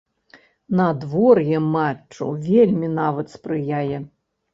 Надвор'е матчу вельмі нават спрыяе.